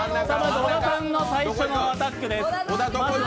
小田さんの最初のアタックです。